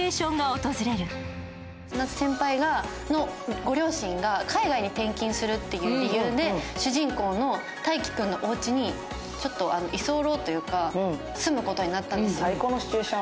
千夏先輩のご両親が海外に転勤するという理由で主人公の大喜君のおうちに、ちょっと居候というか住むことになったんですよ。